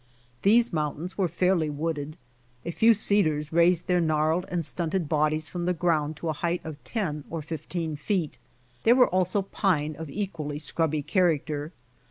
These mountains were fairly wooded. A few cedars raised their gnarled and stunted bodies from the ground to a height of ten or fifteen feet. There were also pine of equally scrubby character.